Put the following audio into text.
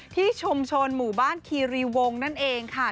ที่ชุมชนหมู่บ้านคีรีวงนั่นเองค่ะ